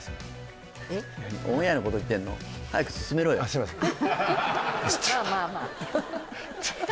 すいません